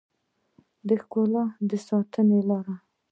د ښکلا د ساتنې لارې